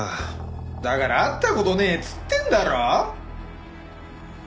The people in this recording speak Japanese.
だから会った事ねえっつってんだろ！